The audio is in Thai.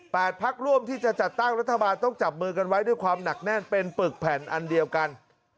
พักร่วมที่จะจัดตั้งรัฐบาลต้องจับมือกันไว้ด้วยความหนักแน่นเป็นปึกแผ่นอันเดียวกัน